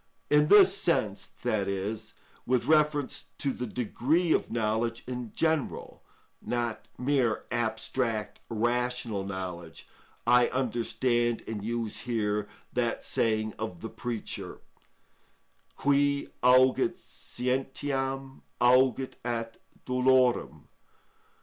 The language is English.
In this sense, that is, with reference to the degree of knowledge in general, not mere abstract rational knowledge, I understand and use here that saying of the Preacher: _Qui auget scientiam, auget at dolorem.